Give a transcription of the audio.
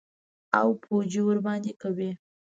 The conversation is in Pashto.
او پوجي ورباندي کوي.